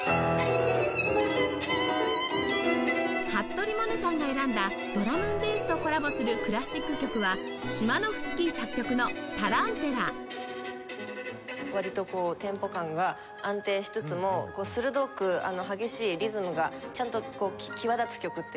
服部百音さんが選んだドラムンベースとコラボするクラシック曲はシマノフスキ作曲の『タランテラ』割とテンポ感が安定しつつも鋭く激しいリズムがちゃんと際立つ曲っていうか。